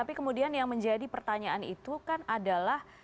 tapi kemudian yang menjadi pertanyaan itu kan adalah